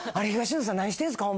東野さん何してんですか？